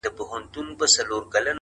o د خپل ژوند عکس ته گوري ـ